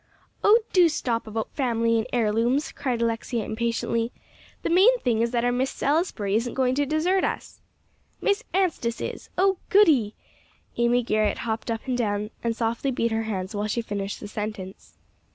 "Oh, do stop about family and heirlooms," cried Alexia impatiently; "the main thing is that our Miss Salisbury isn't going to desert us." "Miss Anstice is; oh, goody!" Amy Garrett hopped up and down and softly beat her hands while she finished the sentence.